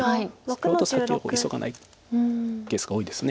それほど先を急がないケースが多いです。